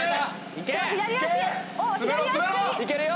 いけるよ！